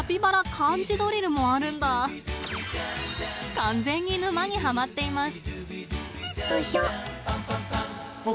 完全に沼にはまっています。